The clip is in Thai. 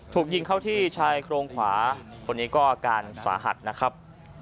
ถูกยิงเข้าที่ชายโครงขวาคนนี้ก็อาการสาหัสนะครับ